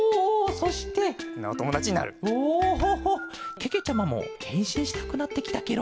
けけちゃまもへんしんしたくなってきたケロ。